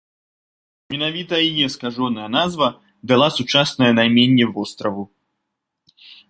Менавіта яе скажоная назва дала сучаснае найменне востраву.